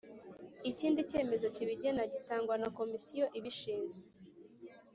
ikindi cyemezo kibigena gitangwa na komisiyo ibishinzwe